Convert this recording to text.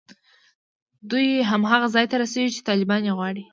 دوی هماغه ځای ته رسېږي چې طالبان یې غواړي